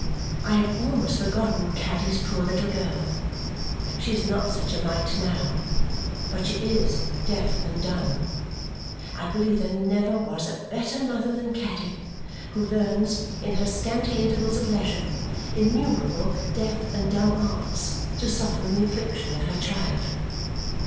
I had almost forgotten Caddy's poor little girl. She is not such a mite now, but she is deaf and dumb. I believe there never was a better mother than Caddy, who learns, in her scanty intervals of leisure, innumerable deaf and dumb arts to soften the affliction of her child.